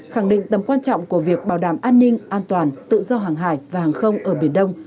khẳng định tầm quan trọng của việc bảo đảm an ninh an toàn tự do hàng hải và hàng không ở biển đông